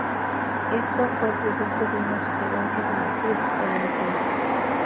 Esto fue producto de una sugerencia de la actriz Ellen Page.